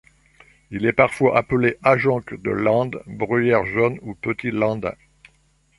Il est parfois appelé Ajonc de lande, Bruyère jaune ou Petit landin.